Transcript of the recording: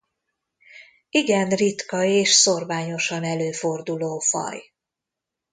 Igen ritka és szórványosan előforduló faj.